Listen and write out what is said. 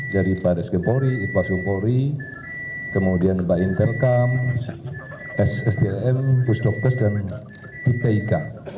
dari pak reskem polri irwasung polri kemudian mbak intelkam sstm bustokkes dan dtik